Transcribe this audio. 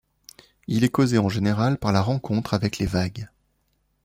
Il est causé en général par la rencontre avec les vagues.